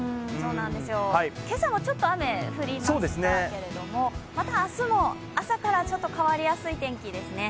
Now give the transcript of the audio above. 今朝もちょっと雨、降りましたけれどもまた明日も朝から変わりやすい天気ですね。